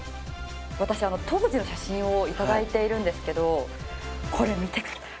私当時の写真を頂いているんですけどこれ見てください。